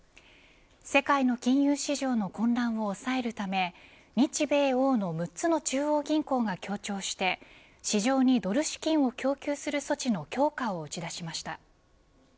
世界の金融市場の混乱を抑えるため日米欧の６つの中央銀行が協調して市場にドル資金を供給する措置の強化を打ち出しました。